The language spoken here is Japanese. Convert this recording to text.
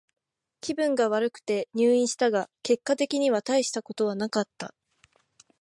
気分が悪くて入院したが、結果的にはたいしたことはなかった。